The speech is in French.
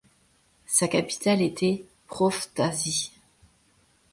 Sa capitale était Prophtasie.